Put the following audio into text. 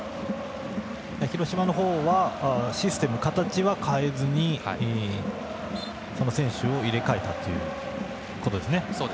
広島はシステム、形は変えずにこの選手を入れ替えたということですね。